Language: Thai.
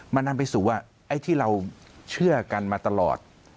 มันนำไปสู่ว่าไอ้ที่เราเชื่อกันมาตลอด